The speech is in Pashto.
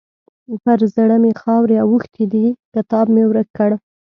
پر زړه مې خاورې اوښتې دي؛ کتاب مې ورک کړ.